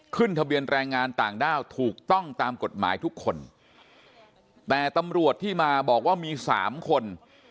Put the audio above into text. ขึ้นทะเบียนแรงงานต่างด้าวถูกต้องตามกฎหมายทุกคนแต่ตำรวจที่มาบอกว่ามีสามคน